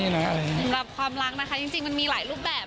กรรมรับความรักมีหลายรูปแบบ